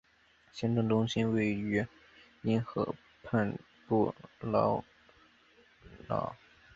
行政中心位于因河畔布劳瑙。